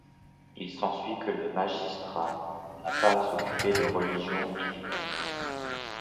Il s'ensuit que le magistrat n'a pas à s'occuper de religion et des âmes.